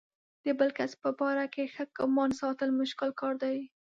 د بل کس په باره کې ښه ګمان ساتل مشکل کار دی.